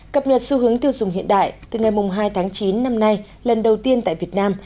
cập nhật xu hướng tiêu dùng hiện đại từ ngày hai tháng chín năm nay lần đầu tiên tại việt nam